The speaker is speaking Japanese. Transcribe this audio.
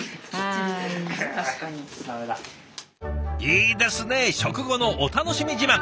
いいですね食後のお楽しみ自慢。